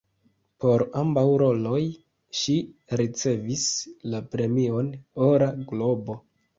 Por ambaŭ roloj ŝi ricevis la premion "Ora globo".